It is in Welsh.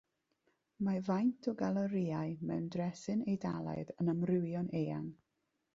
Mae faint o galorïau mewn dresin Eidalaidd yn amrywio'n eang.